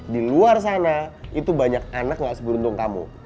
diluar sana itu banyak anak gak seberuntung kamu